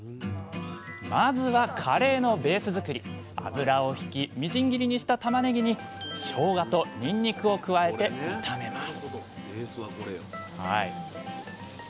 まずは油をひきみじん切りにしたたまねぎにしょうがとにんにくを加えて炒めます